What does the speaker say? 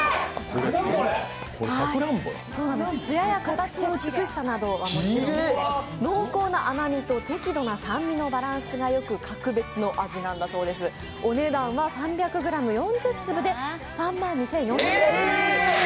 つやや形の美しさはもちろん濃厚な甘みと適度な酸味のバランスがよく格別の味なんだそうです、お値段は３００ｇ４０粒で３万２４００円です。